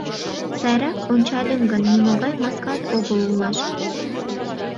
Сайрак ончальым гын, нимогай маскат огыл улмаш...